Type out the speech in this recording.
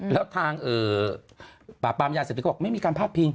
แล้วทางปราปรแมนยา๗๐บาทเขาบอกไม่มีการพาดพิง